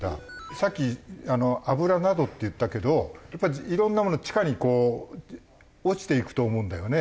さっき「油など」って言ったけどやっぱりいろんなものが地下に落ちていくと思うんだよね。